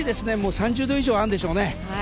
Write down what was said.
３０度以上あるんでしょうね。